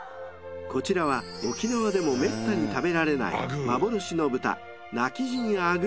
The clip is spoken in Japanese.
［こちらは沖縄でもめったに食べられない幻の豚］